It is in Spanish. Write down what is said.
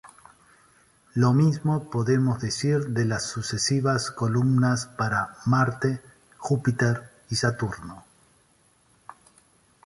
Lo mismo podemos decir de las sucesivas columnas para Marte, Júpiter y Saturno.